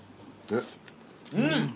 うん！